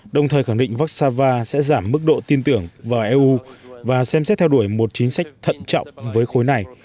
đồng thời khẳng định vaxava sẽ giảm mức độ tin tưởng vào eu và xem xét theo đuổi một chính sách thận trọng với khối này